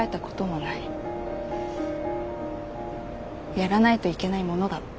やらないといけないものだった。